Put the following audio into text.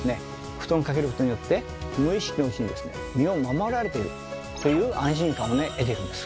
布団をかけることによって無意識のうちに身を守られているという安心感をね得てるんです。